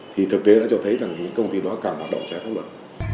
thì thực tế đã cho thấy những công ty đó càng bắt đầu trái pháp luật